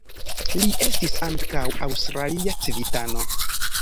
Li estis ankaŭ aŭstralia civitano.